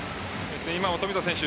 今も富田選手